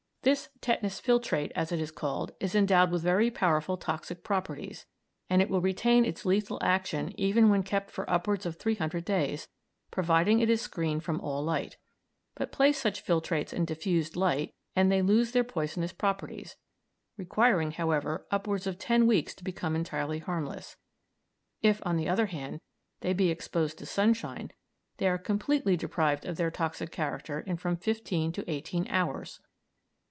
This tetanus filtrate, as it is called, is endowed with very powerful toxic properties, and it will retain its lethal action even when kept for upwards of three hundred days, providing it is screened from all light; but place such filtrates in diffused light, and they lose their poisonous properties, requiring, however, upwards of ten weeks to become entirely harmless; if, on the other hand, they be exposed to sunshine, they are completely deprived of their toxic character in from fifteen to eighteen hours.